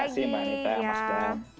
terima kasih mbak nita mas ben